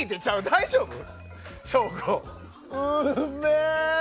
大丈夫？